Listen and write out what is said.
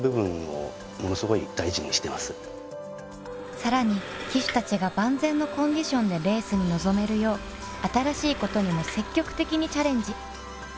さらに騎手達が万全のコンディションでレースに臨めるよう新しいことにも積極的にチャレンジ